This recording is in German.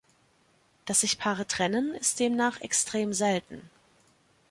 Dass sich Paare trennen, ist demnach extrem selten.